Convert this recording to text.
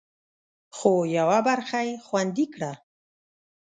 خو، یوه برخه یې خوندي کړه